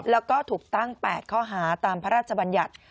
แล้วก็ถูกตั้ง๘ข้อหาตามพระราชบัญญัติ